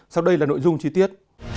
sau đây là nội dung chi tiết